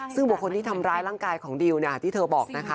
ซึ่งบุคคลที่ทำร้ายร่างกายของดิวที่เธอบอกนะคะ